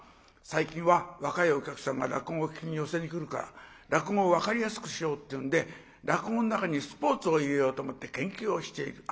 最近は若いお客さんが落語を聴きに寄席に来るから落語を分かりやすくしようっていうんで落語の中にスポーツを入れようと思って研究をしている。